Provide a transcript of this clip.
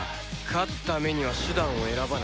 勝つためには手段を選ばない。